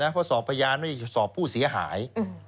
เพราะสอบพยานไม่สอบผู้เสียหาย